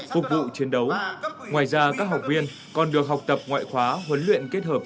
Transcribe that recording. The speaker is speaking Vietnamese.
phục vụ chiến đấu ngoài ra các học viên còn được học tập ngoại khóa huấn luyện kết hợp